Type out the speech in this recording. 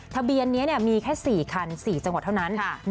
ทะเบียนนี้มีแค่๔คัน๔จังหวัดเท่านั้น